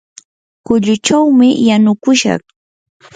kuchullachawmi yanukushaq.